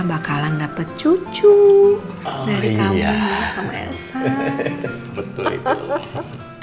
atau nino punya adek